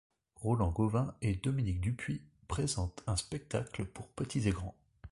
Roland Gauvin et Dominique Dupuis présentent un spectacle pour petits et grands.